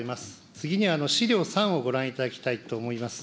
次に、資料３をご覧いただきたいと思います。